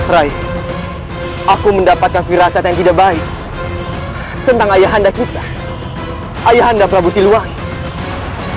rai aku mendapatkan firasat yang tidak baik tentang ayah anda kita ayah anda prabu siluar